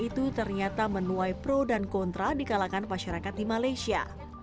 itu ternyata menuai pro dan kontra di kalangan masyarakat di malaysia